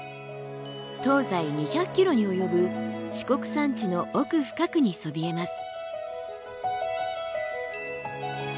東西２００ｋｍに及ぶ四国山地の奥深くにそびえます。